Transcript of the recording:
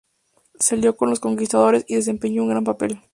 Se alió a los conquistadores y desempeñó un gran papel.